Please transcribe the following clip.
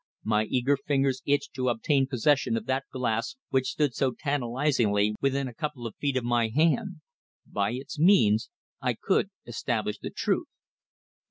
My eager fingers itched to obtain possession of that glass which stood so tantalisingly within a couple of feet of my hand. By its means I could establish the truth.